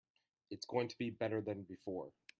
It is going to be better than before.